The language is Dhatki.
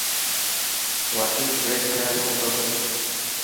واڪنگ ٽريڪ ٺهيل هتو.